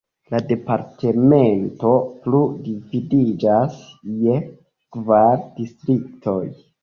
La departemento plu dividiĝas je kvar distriktoj.